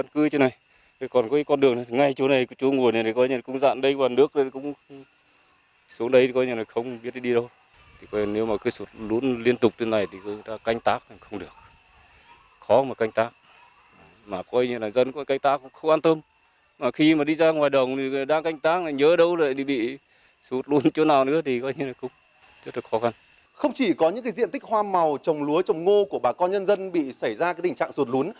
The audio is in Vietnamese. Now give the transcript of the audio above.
không chỉ có những diện tích hoa màu trồng lúa trồng ngô của bà con nhân dân bị xảy ra tình trạng sụt lún